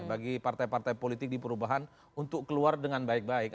bagi partai partai politik di perubahan untuk keluar dengan baik baik